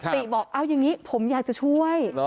ติบอกเอาอย่างนี้ผมอยากจะช่วย